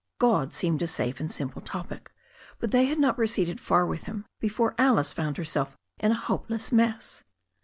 God seemed a safe and simple topic, but they had not proceeded far with Him before Alice found herself in a hopeless mess.